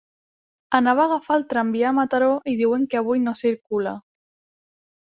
Anava a agafar el tramvia a Mataró i diuen que avui no circula.